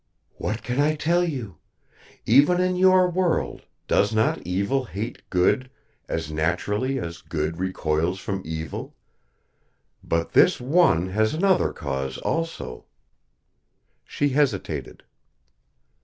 "What can I tell you? Even in your world, does not evil hate good as naturally as good recoils from evil? But this One has another cause also!" She hesitated.